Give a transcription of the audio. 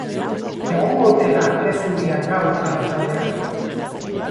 Egongo ote da ke zuria gaur arratsaldean?